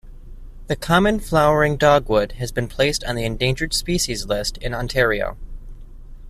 The common flowering dogwood has been placed on the endangered species list in Ontario.